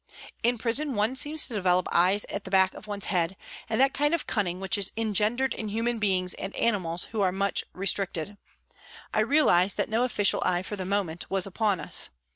In prison one seems to develop eyes at the back of one's head and that kind of cunning which is engendered in human beings and animals who are much restricted. I realised that no official eye for the moment was upon us.